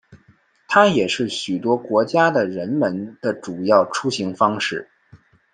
它也是许多国家的人们的主要出行方式。